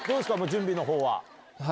準備の方は。